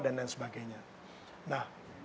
dan lain sebagainya